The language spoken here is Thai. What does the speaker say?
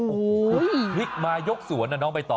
โอ้โหพลิกมายกสวนนะน้องใบตอ